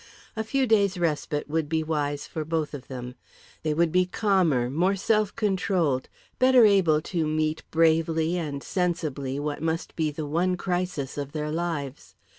A few days' respite would be wise for both of them; they would be calmer, more self controlled, better able to meet bravely and sensibly what must be the one crisis of their lives.